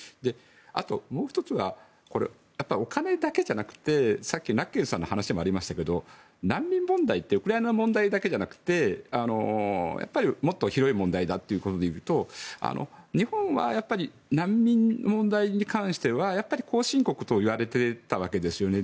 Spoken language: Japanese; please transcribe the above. あと、もう１つがお金だけじゃなくてさっきナッケンさんの話でもありましたが難民問題ってウクライナ問題だけじゃなくてやっぱりもっと広い問題だということでいうと日本は難民問題に関しては後進国といわれていたわけですよね。